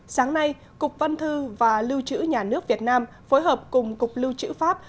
sáng nay cục văn thư và lưu trữ nhà nước việt nam phối hợp cùng cục lưu trữ pháp